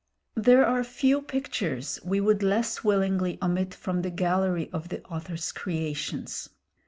There are few pictures we would less willingly omit from the gallery of the author's creations.